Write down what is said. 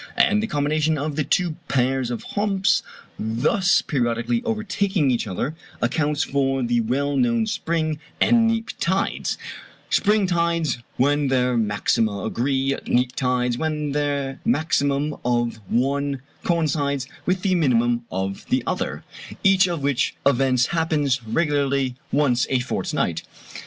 And the combination of the two pairs of humps, thus periodically overtaking each other, accounts for the well known spring and neap tides, spring tides when their maxima agree, neap tides when the maximum of one coincides with the minimum of the other: each of which events happens regularly once a fortnight.